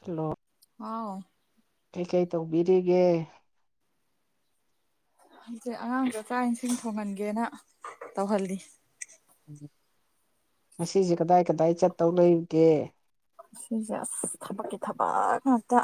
hello ꯑꯥꯎ ꯀꯩ ꯀꯩ ꯇꯧꯕꯤꯔꯤꯒꯦ ꯍꯧꯖꯤꯛ ꯑꯉꯥꯡꯗꯣ ꯆꯥꯛ ꯏꯟꯁꯤꯡ ꯊꯣꯡꯍꯟꯒꯦꯅ ꯇꯧꯍꯜꯂꯤ ꯉꯁꯦ ꯀꯗꯥꯏ ꯀꯗꯥꯏ ꯆꯠꯇꯧ ꯂꯩꯒꯦ ꯊꯕꯛꯀꯤ ꯊꯕꯛ ꯉꯠꯇ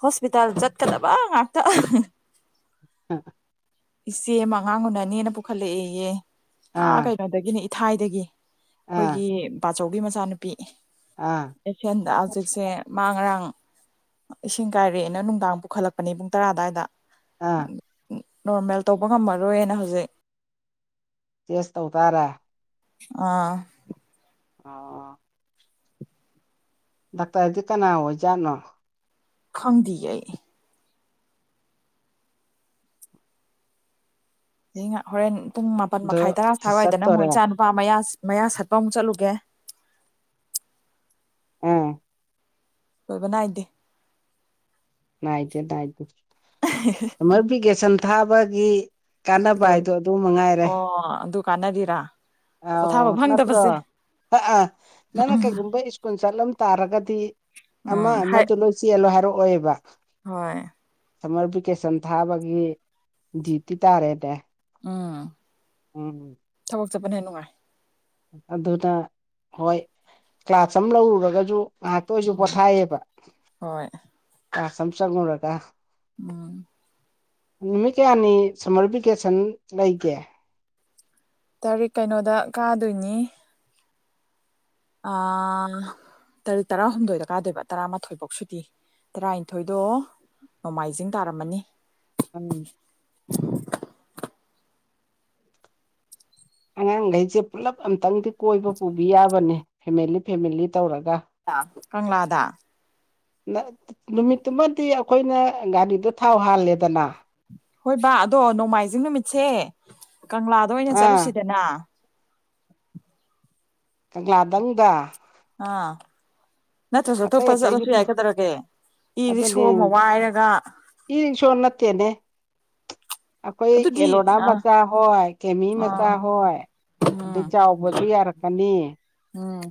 ꯍꯣꯁꯄꯤꯇꯥꯜ ꯆꯠꯀꯗꯕ ꯉꯥꯛꯇ ꯑ ꯏꯆꯦ ꯑꯃ ꯑꯉꯥꯡ ꯎꯅꯅꯦꯅ ꯄꯨꯈꯠꯂꯛꯑꯦꯌꯦ ꯑ ꯑꯥ ꯀꯩꯅꯣꯗꯒꯤꯅꯦ ꯏꯊꯥꯏꯗꯒꯤ ꯑꯥ ꯑꯩꯈꯣꯏꯒꯤ ꯄꯕꯥꯆꯧꯕꯤ ꯃꯆꯥꯅꯨꯄꯤ ꯑꯥ ꯑꯦꯁꯤꯌꯥꯟꯗ ꯍꯧꯖꯤꯛꯁꯦ ꯃꯥꯡ ꯉꯔꯥꯡ ꯏꯁꯤꯡ ꯀꯥꯏꯔꯛꯑꯦꯅ ꯅꯨꯡꯗꯥꯡ ꯄꯨꯈꯠꯂꯛꯄꯅꯤ ꯄꯨꯡ ꯇꯔꯥ ꯑꯗꯨ꯭ꯋꯥꯏꯗ ꯑꯥ ꯅꯣꯔꯃꯦꯜ ꯇꯧꯕ ꯉꯝꯃꯔꯣꯏꯅ ꯍꯧꯖꯤꯛ ꯆꯦꯁ ꯇꯧ ꯇꯔꯦ ꯑꯥ ꯑ ꯗꯥꯛꯇꯔ ꯍꯥꯏꯗꯤ ꯀꯅꯥ ꯑꯣꯏꯖꯥꯠꯅꯣ ꯈꯪꯗꯤ ꯑꯩ ꯍ ꯍꯣꯔꯦꯟ ꯄꯨꯡ ꯃꯥꯄꯟ ꯑꯗꯣ ꯃꯈꯥꯏ ꯇꯔꯥ ꯁꯥꯋꯥꯏꯗꯅ ꯆꯠꯇꯣꯔꯦ ꯑꯃꯨꯛ ꯏꯆꯥ ꯅꯨꯄꯥ ꯃꯌꯥ ꯃꯌꯥ ꯁꯠꯄ ꯑꯃꯨꯛ ꯆꯠꯂꯨꯒꯦ ꯑꯝ ꯂꯣꯏꯕ ꯅꯥꯏꯗꯦ ꯅꯥꯏꯇꯦ ꯅꯥꯥꯏꯇꯦ ꯁꯝꯃꯔ ꯚꯤꯀꯦꯁꯟ ꯊꯥꯕꯒꯤ ꯀꯥꯟꯅꯕ ꯍꯥꯏꯗꯣ ꯑꯗꯨ ꯃꯉꯥꯏꯔꯦ ꯐꯗꯨꯀꯥꯟ ꯔꯥ ꯑ ꯅꯠꯇ꯭ꯔꯣ ꯑꯥ ꯅꯪꯅ ꯀꯩꯒꯨꯝꯕ ꯁ꯭ꯀꯨꯜ ꯆꯠꯂꯝ ꯇꯥꯔꯒꯗꯤ ꯑꯃ ꯎꯝ ꯍꯥꯏ ꯑꯃꯗꯨ ꯂꯣꯏ ꯆꯦꯜꯂꯣ ꯍꯥꯏꯔꯛꯑꯣꯕ ꯍꯣꯏ ꯁꯔꯄꯀꯦꯁꯟ ꯊꯥꯕꯒꯤ ꯖꯤꯄꯤ ꯇꯥꯔꯦꯅꯦ ꯑꯥ ꯎꯝ ꯀꯣꯛ ꯆꯠꯕꯅ ꯍꯦ ꯅꯨꯡꯉꯥꯏ ꯑꯗꯨꯅ ꯍꯣꯏ ꯀ꯭ꯂꯥꯁ ꯑꯃ ꯂꯧꯔꯨꯔꯒꯁꯨ ꯉꯍꯥꯛꯇꯣꯏꯁꯨ ꯎꯝ ꯄꯣꯊꯥꯏꯌꯦꯕ ꯍꯣꯏ ꯀꯥꯁꯝ ꯆꯪꯉꯨꯔꯒ ꯎꯝ ꯅꯨꯃꯤꯠ ꯀꯌꯥꯅꯤ ꯁꯝꯃꯔ ꯚꯤꯀꯦꯁꯟ ꯂꯩꯒꯦ ꯇꯥꯔꯤꯛ ꯀꯩꯅꯣꯗ ꯀꯥꯗꯣꯏꯅꯤ ꯑꯥ ꯇꯛ ꯇꯔꯥꯍꯨꯝꯗꯣꯏꯗ ꯀꯥꯗꯣꯏꯕ ꯇꯔꯥꯃꯥꯊꯣꯏꯐꯧ ꯁꯨꯇꯤ ꯇꯔꯥꯅꯤꯊꯣꯏꯗꯣ ꯅꯣꯡꯃꯥꯏꯖꯤꯡ ꯇꯥꯔꯝꯃꯅꯤ ꯎꯝ ꯑꯉꯥꯡꯈꯩꯁꯦ ꯄꯨꯜꯂꯞ ꯑꯝꯇꯪꯗꯤ ꯀꯣꯏꯕ ꯄꯨꯕꯤ ꯌꯥꯕꯅꯦ ꯐꯦꯃꯦꯂꯤ ꯐꯦꯃꯤꯂꯤ ꯇꯧꯔꯒ ꯀꯪꯂꯥꯗ ꯅꯨꯃꯤꯠꯇꯨꯃꯗꯤ ꯑꯩꯈꯣꯏꯅ ꯒꯥꯔꯤꯗꯣ ꯊꯥꯎ ꯍꯥꯜꯂꯦꯗꯅ ꯍꯣꯏ ꯕꯥ ꯑꯗꯣ ꯅꯣꯡꯃꯥꯏꯖꯤꯡ ꯅꯨꯃꯤꯠꯁꯦ ꯀꯪꯂꯥꯗ ꯑꯣꯏꯅ ꯑꯥ ꯆꯠꯂꯨꯁꯤꯗꯅ ꯀꯪꯂꯥꯗꯪꯗ ꯑꯥ ꯅꯠꯇ꯭ꯔꯁꯨ ꯑꯇꯩ ꯑꯇꯣꯞꯄ ꯑꯇꯩꯒꯤ ꯆꯠꯂꯁꯨ ꯌꯥꯏꯒꯗ꯭ꯔꯒꯦ ꯏꯔ ꯁꯣ ꯑꯗꯨꯅꯦ ꯑꯃ ꯋꯥꯏꯔꯒ ꯏ ꯔꯤꯛꯁꯣ ꯅꯠꯇꯦꯅꯦ ꯑꯩꯈꯣꯏ ꯑꯗꯨꯗꯤ ꯑꯦꯂꯣꯅꯥ ꯑꯥ ꯃꯆꯥ ꯍꯣꯏ ꯀꯦꯃꯤ ꯑꯥ ꯃꯆꯥ ꯍꯣꯏ ꯑꯗꯩ ꯎꯝ ꯆꯥꯎꯕꯁꯨ ꯌꯥꯔꯛꯀꯅꯤ ꯎꯝ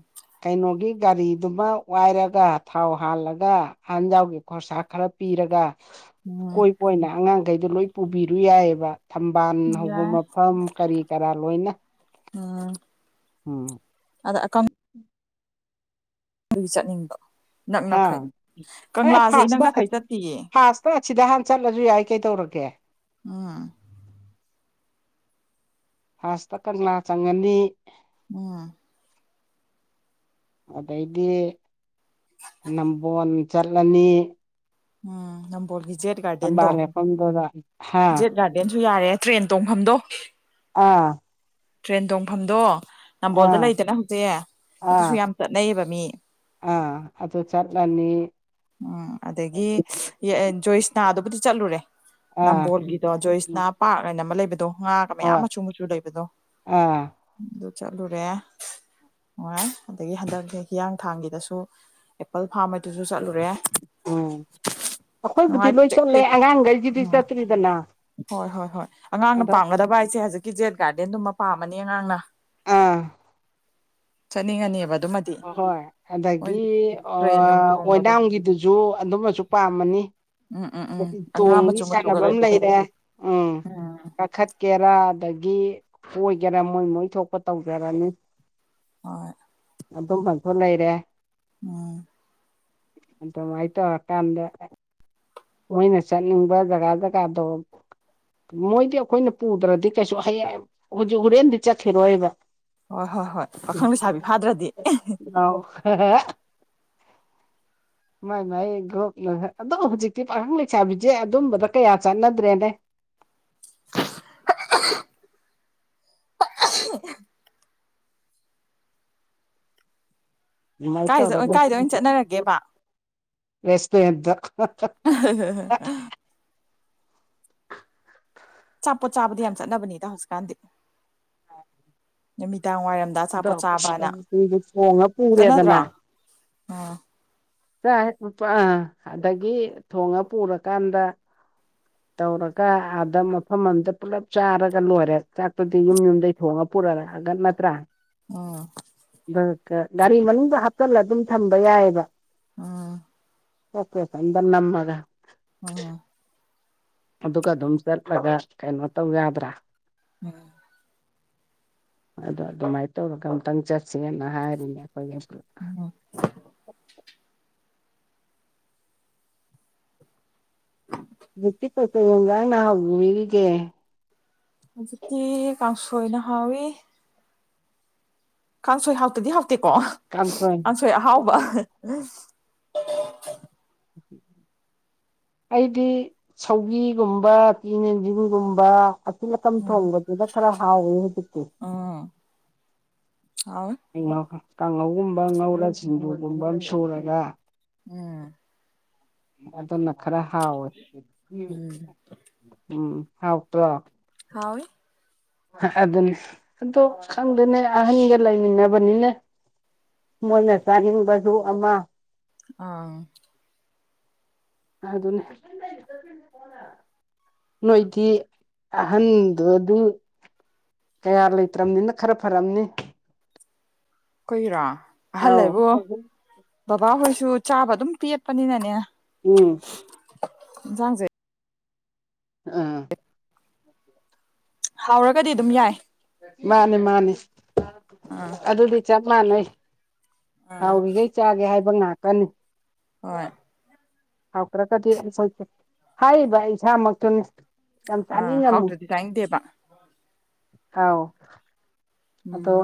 ꯀꯩꯅꯣꯒꯤ ꯒꯥꯔꯤꯗꯨꯃ ꯋꯥꯏꯔꯒ ꯊꯥꯎ ꯍꯥꯜꯂꯒ ꯑꯥꯟꯖꯥꯎꯒꯤ ꯈꯣꯔꯁꯥ ꯈꯔ ꯄꯤꯔꯒ ꯎꯝ ꯀꯣꯏ ꯀꯣꯏꯅ ꯑꯉꯥꯡꯈꯩꯗꯣ ꯂꯣꯏ ꯄꯨꯕꯤꯔꯨ ꯌꯥꯏꯑꯕ ꯊꯝꯕꯥꯜ ꯍꯧꯕ ꯌꯥꯏ ꯃꯐꯝ ꯀꯔꯤ ꯀꯔꯥ ꯂꯣꯏꯅ ꯎꯝ ꯎꯝ ꯑꯗ ꯑꯀ ꯑꯗꯨꯒꯤ ꯆꯠꯅꯤꯡꯕꯣ ꯍꯥ ꯅꯛꯅꯈꯩ ꯑꯦ ꯀꯪꯂꯥꯁ ꯏ ꯐꯥꯁꯇ ꯅꯛꯅꯈꯩ ꯆꯠꯇꯌꯦ ꯐꯥꯁꯇ ꯑꯁꯤꯗ ꯍꯥꯟꯅ ꯆꯠꯂꯁꯨ ꯌꯥꯏ ꯀꯩꯗꯧꯔꯒꯦ ꯑꯥ ꯐꯥꯔꯁꯇ ꯀꯪꯂꯥ ꯆꯪꯉꯅꯤ ꯎꯝ ꯑꯗꯩꯗꯤ ꯅꯝꯕꯣꯟ ꯆꯠꯂꯅꯤ ꯎꯝ ꯅꯝꯕꯣꯜꯒꯤ ꯖꯦꯠ ꯒꯥꯔꯗꯦꯟꯗꯣ ꯊꯝꯕꯥꯜ ꯂꯦꯞꯐꯝꯗꯨꯗ ꯍꯥ ꯖꯦꯠ ꯒꯥꯔꯗꯦꯟ ꯑꯗꯨꯨ ꯌꯥꯔꯦ ꯇ꯭ꯔꯦꯟ ꯇꯣꯡꯐꯝꯗꯣ ꯑꯥ ꯇ꯭ꯔꯦꯟ ꯇꯣꯡꯐꯝꯗꯣ ꯅꯝꯕꯣꯜꯗ ꯑꯥ ꯂꯩꯗꯅ ꯍꯧꯖꯤꯛ ꯑꯥ ꯑꯗꯨꯁꯨ ꯌꯥꯝ ꯆꯠꯅꯩꯌꯦꯕ ꯃꯤ ꯑꯥ ꯑꯗ ꯆꯠꯂꯅꯤ ꯎꯝ ꯑꯗꯒꯤ ꯖꯣꯏꯁꯅꯥꯗꯨꯕꯨꯗꯤ ꯆꯠꯂꯨꯔꯦ ꯑꯥ ꯅꯝꯕꯣꯜꯒꯤꯗꯣ ꯖꯣꯏꯁꯅ ꯄꯥꯔꯛ ꯍꯥꯏꯅ ꯑꯃ ꯂꯩꯕꯗ ꯍꯥ ꯀ ꯍꯣꯏ ꯃꯌꯥꯝ ꯃꯆꯨ ꯃꯨꯆꯨ ꯂꯩꯕꯗꯣ ꯑꯥ ꯑꯗꯨ ꯆꯠꯂꯨ ꯔꯦ ꯅꯨꯡꯉꯥꯏ ꯑꯗꯒꯤ ꯍꯟꯗꯛꯁꯦ ꯍꯤꯌꯥꯡꯊꯥꯡꯒꯤꯗꯁꯨ ꯑꯦꯄꯜ ꯐꯥꯝ ꯑꯗꯨꯁꯨ ꯆꯠꯂꯨꯔꯦ ꯎꯝ ꯅꯨꯡꯉꯥꯏ ꯑꯩꯈꯣꯏꯕꯨꯗꯤ ꯂꯣꯏ ꯆꯤꯛ ꯆꯠꯂꯦ ꯆꯤꯛ ꯑꯉꯥꯡꯈꯩꯒꯤꯗꯤ ꯆꯠꯇ꯭ꯔꯤꯗꯅ ꯍꯣꯏ ꯍꯣꯏ ꯍꯣꯏ ꯑꯉꯥꯡꯅ ꯑꯗꯣ ꯄꯥꯝꯒꯗꯕ ꯍꯥꯏꯁꯦ ꯍꯧꯖꯤꯛꯀꯤ ꯖꯦꯠ ꯒꯥꯔꯗꯦꯟꯗꯨꯃ ꯄꯥꯝꯃꯅꯤ ꯑꯉꯥꯡꯅ ꯑꯥ ꯆꯅꯤ ꯉꯅꯤꯕ ꯍꯣꯏ ꯑꯗꯒꯤ ꯑ ꯇ꯭ꯔꯦꯟ ꯅꯨꯡ ꯇꯣꯡꯕꯗꯣ ꯑꯣꯏꯣꯏꯅꯥꯝꯒꯤꯗꯨꯁꯨ ꯑꯗꯨꯝꯅꯁꯨ ꯄꯥꯝꯃꯅꯤ ꯎꯝ ꯎꯝ ꯎꯝ ꯍꯥꯏꯗꯤ ꯑꯉꯥꯡ ꯇꯣꯡꯒꯤ ꯃꯆꯨ ꯃꯆꯨꯒ ꯁꯥꯟꯅꯕ ꯑꯃ ꯂꯩꯕꯗꯣ ꯂꯩꯔꯦ ꯎꯝ ꯀꯥꯈꯠꯀꯦꯔꯥ ꯑꯗꯒꯤ ꯒꯤ ꯑꯣꯏꯒꯦꯔꯥ ꯃꯣꯏ ꯃꯣꯏ ꯊꯣꯛꯄ ꯇꯧꯖꯔꯅꯤ ꯑ ꯑꯗꯨꯝꯕꯁꯨ ꯂꯩꯔꯦ ꯎꯝ ꯑꯦꯥꯏꯇꯣ ꯑ ꯀꯗ ꯃꯣꯏꯅ ꯆꯠꯅꯤꯡꯕ ꯖꯒꯥ ꯖꯒꯥꯗꯣ ꯃꯣꯏꯗꯤ ꯑꯩꯈꯣꯏꯅ ꯄꯨꯗ꯭ꯔꯗꯤ ꯀꯩꯁꯨ ꯍꯌꯦꯡ ꯍꯧꯖꯤꯛ ꯍꯣꯔꯦꯟꯗꯤ ꯆꯠꯈꯤꯔꯣꯏꯕ ꯍꯣꯏ ꯍꯣꯏ ꯍꯣꯏ ꯄꯥꯈꯪ ꯂꯩꯁꯥꯕꯤ ꯐꯥꯗ꯭ꯔꯗꯤ ꯍ ꯍ ꯃꯥꯏ ꯃꯥꯏ ꯒ꯭ꯔꯨꯞ ꯑꯗꯣ ꯍꯧꯖꯤꯛꯇꯤ ꯄꯥꯈꯪ ꯂꯩꯁꯥꯕꯤꯁꯦ ꯑꯗꯨꯝꯕꯗ ꯀꯌꯥ ꯆꯠꯅꯗ꯭ꯔꯦꯅꯦ [inaudible] [inaudible] [unintelligible] ꯀꯥꯏꯗ ꯀꯥꯏꯗ ꯑꯣꯏꯅ ꯆꯠꯅꯔꯒꯦꯕ ꯔꯦꯁ ꯌꯦꯗ [unintelligible] ꯆꯥꯄꯣꯠ ꯆꯥꯕꯗꯤ ꯌꯥꯝ ꯆꯠꯅꯕꯅꯤꯗ ꯍꯧꯖꯤꯛꯀꯥꯟꯗꯤ ꯅꯨꯃꯤꯗꯥꯡ ꯋꯥꯏꯔꯝꯗ ꯑꯆꯥꯄꯣꯠ ꯆꯥꯕꯅ ꯑꯩꯈꯣꯏꯗꯤ ꯊꯣꯡꯉ ꯆꯠꯅꯗ꯭ꯔꯣ ꯄꯨꯔꯦꯗꯅ ꯎꯥ ꯄꯥ ꯑꯗꯒꯤ ꯊꯣꯡꯉ ꯄꯨꯔꯀꯥꯟꯗ ꯇꯧꯔꯒ ꯑꯥꯗ ꯃꯐꯝ ꯑꯃꯗ ꯄꯨꯂꯞ ꯆꯥꯔꯒ ꯂꯣꯏꯔꯦ ꯆꯥꯛꯇꯨꯗꯤ ꯌꯨꯝ ꯌꯨꯝꯗ ꯊꯣꯡꯉ ꯄꯨꯨꯔ ꯅꯠꯇ꯭ꯔ ꯎꯝ ꯒꯥꯔꯤ ꯃꯅꯨꯡꯗ ꯍꯥꯞꯆꯜꯂ ꯑꯗꯨꯝ ꯊꯝꯕ ꯌꯥꯏꯑꯕ ꯎꯝ ꯑꯣꯀꯦ ꯑꯣꯁ ꯏꯗꯅ ꯅꯃꯒ ꯎꯝ ꯑꯗꯨꯒ ꯑꯗꯨꯝ ꯆꯠꯂꯒ ꯀꯩꯅꯣ ꯇꯧ ꯌꯥꯗ꯭ꯔꯥ ꯑ ꯑꯗ ꯑꯗꯨꯃꯥꯏꯅ ꯇꯧꯔꯒ ꯑꯝꯇꯪ ꯆꯠꯁꯤ ꯁꯤꯟꯅ ꯍꯥꯏꯔ ꯤ ꯀꯠꯇꯥꯏꯅ ꯍ ꯏꯒ ꯑꯗꯨꯗꯤ ꯀ ꯁꯣꯏꯅꯍꯋꯤ ꯀꯥꯡꯁꯣꯏ ꯍꯥꯎꯇꯗꯤ ꯍꯥꯎꯇꯦꯀꯣ ꯀꯥꯡꯁꯣꯏ ꯑꯍꯥꯎꯕ ꯑꯣ ꯑꯩꯗꯤ ꯁꯧꯒꯤꯒꯨꯝꯕ ꯆꯤꯟ ꯌꯦꯟꯖꯤꯡꯒꯨꯝꯕ ꯑꯁꯤ ꯑꯀꯝ ꯎꯝ ꯊꯣꯡꯕꯗꯨꯅ ꯈꯔ ꯍꯥꯎꯋꯤ ꯍꯧꯖꯤꯛꯇꯤ ꯎꯝ ꯍꯥꯎꯋꯤ ꯀꯥꯡꯉꯧꯒꯨꯝꯕ ꯉꯧꯔꯥ ꯁꯤꯡꯖꯨꯒꯨꯝꯕ ꯑꯃ ꯁꯨꯔꯒ ꯎꯝ ꯑꯗꯨꯅ ꯈꯔ ꯍꯥꯥꯎꯏ ꯎꯝ ꯎꯝ ꯍꯥꯎꯛꯇ꯭ꯔꯣ ꯍꯥꯎꯋꯤ ꯑꯗꯨꯅꯤ ꯑꯗꯣ ꯈꯪꯗꯦꯅꯦ ꯑꯍꯟꯒ ꯂꯩꯃꯤꯟꯅꯕꯅꯤꯅꯦ ꯃꯣꯢꯅ ꯆꯅꯤꯡꯕꯥꯖꯨ ꯑꯃ ꯑꯥ ꯑꯗꯨꯅꯦ ꯅꯣꯏꯗꯤ ꯑꯍꯟꯗꯨ ꯑꯗꯨꯝ ꯀꯌꯥ ꯂꯩꯇ꯭ꯔꯕꯅꯤꯅ ꯈꯔ ꯐꯔꯝꯅꯤ ꯈꯣꯏꯔꯣ ꯑꯍꯜ ꯑꯥꯎ ꯍꯥꯏꯕꯨ ꯕꯕꯥꯍꯣꯏꯁꯨ ꯆꯥꯕ ꯑꯗꯨꯝ ꯄꯤꯛꯄꯅꯤꯅꯅꯦ ꯎꯝ ꯏꯟꯖꯡꯁꯦ ꯑꯥ ꯍꯥꯎꯔ ꯃꯥꯅꯤ ꯃꯥꯅꯤ ꯑꯥ ꯑꯗꯨꯗꯤ ꯆꯞ ꯃꯥꯟꯅꯩ ꯍꯥꯎꯔꯤꯈꯩ ꯆꯥꯒꯦ ꯍꯥꯏꯕ ꯉꯥꯛꯇꯅꯤ ꯍꯣꯏ ꯍꯥꯎꯇꯔꯒꯗꯤ ꯍꯥꯏꯔꯤꯕ ꯏꯁꯥꯃꯛꯇꯅꯤ ꯑ ꯍꯥꯎ꯭ꯇꯔꯗꯤ ꯆꯅꯤꯡꯗꯦꯕ ꯍꯥꯎ ꯑꯗꯣ ꯎꯝ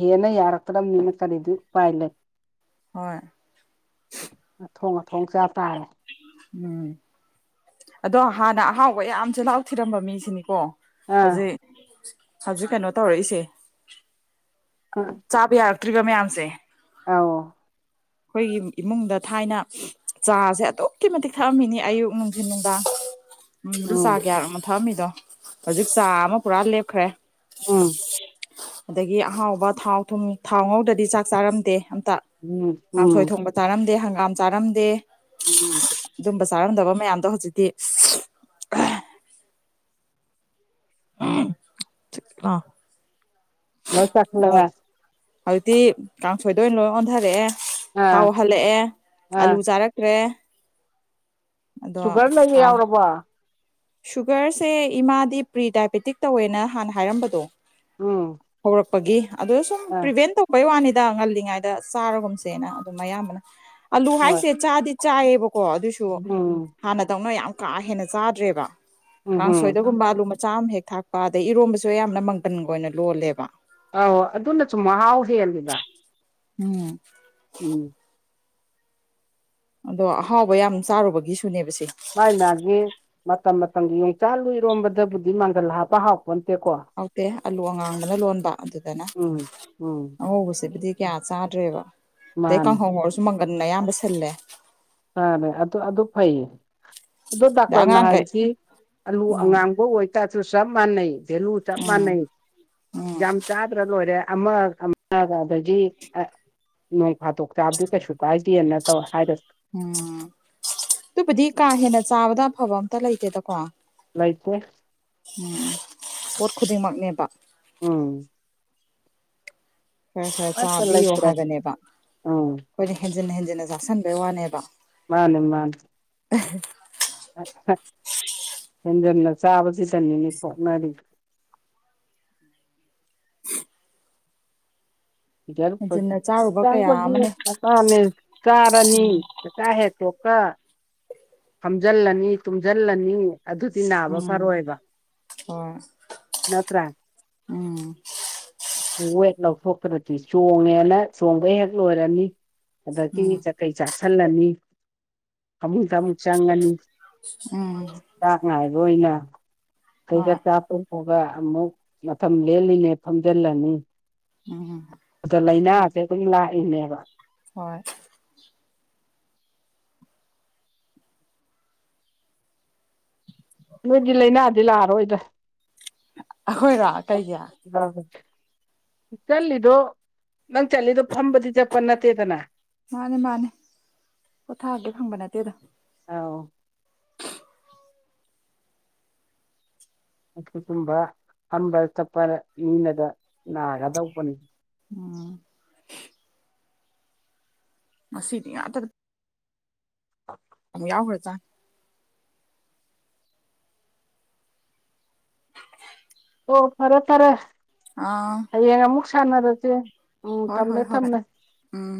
ꯌꯦꯅ ꯌꯥꯔꯛꯇ ꯅꯅ ꯀꯔꯤꯗ ꯎ ꯄ ꯂꯩꯦ ꯍꯣꯏ ꯊꯣꯡ ꯑꯊꯣꯡ ꯆꯥ ꯇꯥꯔꯦ ꯎꯝ ꯑꯗꯣ ꯍꯥꯟꯅ ꯑꯍꯥꯎꯕ ꯌꯥꯝ ꯆꯤꯜꯍꯥꯎ ꯊꯤꯔꯝꯕ ꯃꯤꯁꯤꯅꯤꯀꯣ ꯑꯥ ꯍꯧꯖꯤꯛ ꯍꯧꯖꯤꯛ ꯀꯩꯅꯣ ꯇꯧꯔꯛꯏꯁꯦ ꯆꯥꯕ ꯌꯥꯔꯛꯇ꯭ꯔꯤꯕ ꯃꯌꯥꯝꯁꯦ ꯑ ꯑꯩꯈꯣꯏꯒꯤ ꯏꯃꯨꯡꯗ ꯊꯥꯏꯅ ꯆꯥꯁꯦ ꯑꯗꯨꯛꯀꯤ ꯃꯇꯤꯛ ꯊꯛꯑꯝꯃꯤꯅꯤ ꯑꯌꯨꯛ ꯅꯨꯡꯊꯤꯟ ꯅꯨꯡꯗꯥꯡ [inaudible] ꯎꯗ ꯆꯥ ꯀꯌꯥꯛꯅ ꯊꯛꯑꯝꯃꯤꯗꯣ ꯍꯧꯖꯤꯛ ꯆꯥ ꯑꯃ ꯄꯨꯔꯥ ꯂꯦꯞꯈ꯭ꯔꯦ ꯎꯝ ꯑꯗꯒꯤ ꯑꯍꯥꯎꯕ ꯊꯥꯎ ꯊꯨꯝ ꯊꯥꯎ ꯉꯧꯗꯗꯤ ꯆꯥꯛ ꯆꯥꯔꯝꯗꯦ ꯇ ꯎꯝ ꯀꯥꯡꯁꯣꯏ ꯎꯝ ꯊꯣꯡꯕ ꯆꯥꯔꯝꯗꯦ ꯍꯪꯒꯥꯝ ꯆꯥꯔꯝꯗꯦ ꯎꯝ ꯑꯗꯨꯝꯕ ꯆꯥꯔꯝꯗꯕ ꯃꯌꯥꯝꯗꯣ ꯍꯧꯖꯤꯛꯇꯤ ꯆꯠꯂꯥ [unintelligible] ꯍꯧꯖꯤꯛꯇꯤ ꯀꯥꯡꯁꯣꯏꯗ ꯑꯣꯏꯅ ꯂꯣꯏ ꯑꯣꯟꯊꯔꯛꯑꯦ ꯊꯥꯎ ꯑꯥ ꯍꯜꯂꯛꯑꯦ ꯑꯥ ꯑꯂꯨ ꯆꯥꯔꯛꯇꯔꯦ ꯁꯨꯒꯔ ꯂꯩ ꯍꯥꯟꯅ ꯌꯥꯎꯔꯕ ꯁꯨꯒꯔꯁꯦ ꯏꯃꯥꯗꯤ ꯄ꯭ꯔꯤꯗꯥꯏꯕꯦꯇꯤꯛ ꯇꯧꯋꯦꯅ ꯍꯥꯟꯅ ꯍꯥꯏꯔꯝꯕꯗꯣ ꯎꯝ ꯍꯧꯔꯛꯄꯒꯤ ꯑꯗꯨ ꯁꯨꯝ ꯑꯥ ꯄ꯭ꯔꯤꯚꯦꯟ ꯇꯧꯕꯩ ꯋꯥꯅꯤ ꯗ ꯉꯜꯂꯤꯉꯩꯗ ꯆꯥꯔꯨꯒꯨꯝꯁꯦꯅ ꯑꯗꯨꯝ ꯑꯌꯥꯝꯕꯅ ꯑꯂꯨ ꯍꯣꯏ ꯍꯥꯏꯁꯦ ꯆꯥꯗꯤ ꯆꯥꯏꯌꯦꯕꯀꯣ ꯑꯗꯨꯁꯨ ꯎꯝ ꯍꯥꯟꯅꯗꯧꯅ ꯌꯥꯝ ꯀꯥ ꯍꯦꯟꯅ ꯆꯥꯗ꯭ꯔꯦꯕ ꯎꯝ ꯎꯝ ꯀꯥꯡꯁꯣꯏꯗꯒꯨꯝꯕ ꯑꯥꯂꯨ ꯃꯆꯥ ꯑꯃ ꯍꯦꯛ ꯊꯥꯛꯄ ꯑꯗꯩ ꯏꯔꯣꯝꯕꯁꯨ ꯌꯥꯝꯅ ꯃꯪꯒꯟꯒ ꯑꯣꯏꯅ ꯂꯣꯜꯂꯦꯕ ꯑ ꯑꯗꯨꯅꯁꯨꯨꯝ ꯃꯍꯥꯎ ꯍꯦꯜꯜꯂꯤꯗ ꯎꯝ ꯎꯝ ꯑꯗꯣ ꯑꯍꯥꯎꯕ ꯌꯥꯝ ꯆꯥꯔꯨꯕꯒꯤꯁꯨ ꯃꯥꯥꯏ ꯃꯥꯒꯤ ꯃꯇꯝ ꯃꯇꯝꯒꯤ ꯌꯣꯡꯆꯥꯛ ꯂꯨꯏꯔꯣꯝꯕꯗꯕꯨꯗꯤ ꯃꯥꯡꯖꯜ ꯍꯥꯞꯄ ꯍꯥꯎ ꯍꯥꯎꯇꯦ ꯑꯂꯨ ꯑꯉꯥꯡꯕꯅ ꯂꯣꯟꯕ ꯑꯗꯨꯗꯅ ꯎꯝ ꯎꯝ ꯑꯉꯧꯕꯁꯤꯕꯨꯗꯤ ꯀꯌꯥ ꯆꯥꯗ꯭ꯔꯦꯕ ꯑꯗꯩ ꯃꯥꯅꯤ ꯀꯥꯡꯍꯧ ꯑꯣꯏꯔꯁꯨ ꯃꯪꯒꯟ ꯑꯌꯥꯝꯕ ꯁꯤꯜꯂꯦ ꯑ ꯑꯗꯨ ꯑꯗꯨ ꯐꯩꯌꯦ ꯑꯗꯣ ꯑꯗ ꯗꯥꯛꯇꯔꯅ ꯑꯉꯥꯡꯈꯩ ꯍꯥꯏꯕꯗꯤ ꯑꯂꯨ ꯎꯝ ꯑꯉꯥꯡꯕ ꯑꯣꯏꯇꯥꯔꯁꯨ ꯆꯞ ꯃꯥꯟꯅꯩ ꯚꯦꯂꯨ ꯆꯞ ꯎꯝ ꯃꯥꯟꯅꯩ ꯎꯝ ꯌꯥꯝ ꯆꯥꯗ꯭ꯔ ꯂꯣꯏꯔꯦ ꯑ ꯑ ꯗꯥꯗꯖꯤ ꯅꯣꯏ ꯐꯥꯠꯇꯣꯛ ꯆꯥꯕꯗꯤ ꯀꯩꯁꯨ ꯇꯥꯏꯒꯦꯅ ꯇꯧ ꯍꯥꯏꯔꯁꯦ ꯎꯝ ꯑꯗꯨꯕꯨꯗꯤ ꯀꯥ ꯍꯦꯟꯅ ꯆꯥꯕꯗ ꯑꯐꯕ ꯑꯝꯇ ꯂꯩꯇꯦꯗꯀꯣ ꯂꯩꯇꯦ ꯎꯝ ꯄꯣꯠ ꯈꯨꯗꯤꯡꯃꯛꯅꯦꯕ ꯎꯝ ꯈꯔ ꯈꯔ ꯑꯃꯠꯇ ꯆꯥꯕꯤꯌꯣ ꯂꯩꯇ꯭ꯔꯦ ꯍꯥꯏꯕꯅꯦꯕ ꯎꯝ ꯑꯩꯈꯣꯏꯅ ꯍꯦꯟꯖꯤꯟꯅ ꯍꯦꯟꯖꯤꯟꯅ ꯆꯥꯛꯁꯤꯟꯕꯩ ꯋꯥꯅꯦꯕ ꯃꯥꯅꯦ ꯃꯥꯅꯦ ꯎ ꯍꯦꯟꯖꯟꯅ ꯆꯥꯕꯁꯤꯗꯅꯤꯅꯤ ꯐꯣꯅꯔꯤ [inaudible] ꯍꯦꯟꯖꯤꯟꯅ ꯆꯥꯔꯨꯕ ꯀꯌꯥ ꯑꯃꯅꯦ ꯐ ꯀꯥꯔꯅꯤ ꯀꯥꯏ ꯍꯦ ꯇ ꯀ ꯐꯝꯖꯤꯜꯂꯅꯤ ꯇꯨꯝꯁꯤꯜꯂꯅꯤ ꯑꯗꯨꯗꯤ ꯅꯥꯕ ꯎꯝ ꯐꯔꯣꯏꯕ ꯍꯣꯏ ꯎꯝ ꯍ ꯑꯦꯂ ꯈꯨꯗꯨꯛꯇꯤ ꯆꯣꯡꯉꯦꯅ ꯆꯣꯡꯕ ꯍꯦꯛ ꯂꯣꯏꯔꯅꯤ ꯑꯗꯒꯤ ꯎꯝ ꯆꯀꯩ ꯆꯥꯁꯤꯜꯂꯅꯤ ꯑꯃꯃꯨꯛ ꯊꯃꯨꯛ ꯆꯪꯒꯅꯨ ꯎꯝ ꯆꯥꯡꯉ ꯍꯥꯏꯕ ꯑꯣꯏꯅ ꯑꯩꯗ ꯍꯣꯏ ꯆꯥꯄꯄꯒ ꯑꯃꯨꯛ ꯃꯐꯝ ꯂꯦꯜꯂꯤꯅꯦ ꯐꯝꯖꯤꯜꯂꯅꯤ ꯎꯝ ꯍ ꯁꯦ ꯑꯩꯈꯣꯏ ꯂꯥꯛꯏꯅꯦꯕ ꯍꯣꯏ ꯅꯣꯏꯗꯤ ꯂꯥꯏꯅꯥꯗꯤ ꯂꯥꯛꯔꯣꯏꯗ ꯑꯩꯈꯣꯏꯔꯥ ꯀꯩꯒꯤ ꯆꯠꯂꯤꯗꯣ ꯅꯪ ꯆꯠꯂꯤꯗꯣ ꯐꯝꯕꯗꯤ ꯆꯠꯄ ꯅꯠꯇꯦꯗꯅ ꯃꯥꯅꯦ ꯃꯥꯅꯦ ꯄꯣꯊꯥꯑꯒꯦ ꯐꯪꯕ ꯅꯠꯇꯦꯗꯣ ꯑꯥꯎ ꯑꯗꯨꯒꯒꯨꯝꯕ ꯐꯝꯕ ꯆꯠꯄꯗ ꯃꯤꯅꯗ ꯅꯥꯒꯗꯧꯕꯅꯤ ꯎꯝ ꯃꯁꯤꯗꯤ ꯑꯃ ꯌꯥꯎ ꯍꯠꯇ ꯑꯣ ꯐꯔꯣ ꯐꯔꯦ ꯑꯥ ꯍꯌꯦꯡ ꯑꯃꯨꯛ ꯁꯥꯟꯅꯔꯁꯦ ꯎꯝ ꯍꯣꯏ ꯍꯣꯏ ꯊꯝꯃꯦ ꯍꯣꯏ ꯊꯝꯃꯦ ꯎꯝ